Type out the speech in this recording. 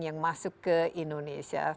yang masuk ke indonesia